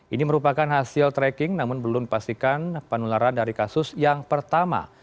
ini merupakan hasil tracking namun belum dipastikan penularan dari kasus yang pertama